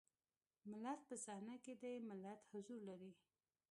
ملت په صحنه کې دی ملت حضور لري.